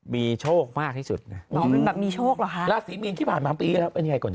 มีโชคมากที่สุดมีโชคราศีมีนที่ผ่านมาปีแล้วเป็นไงก่อน